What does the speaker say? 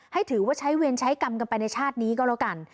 ให้ถือว่าใช้เวรใช้กรรมกันไปในชาตินี้ก็แล้วกัน